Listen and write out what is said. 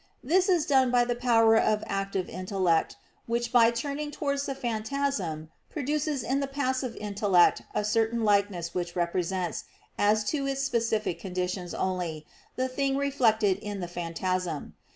This is done by the power of the active intellect which by turning towards the phantasm produces in the passive intellect a certain likeness which represents, as to its specific conditions only, the thing reflected in the phantasm.